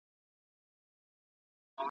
د شمشاد له هسکو څوکو، د کنړ له مسته سینده .